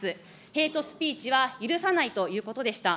ヘイトスピーチは許さないということでした。